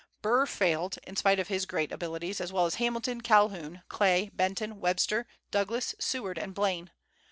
Burr failed, in spite of his great abilities, as well as Hamilton, Calhoun, Clay, Benton, Webster, Douglas, Seward, and Blaine.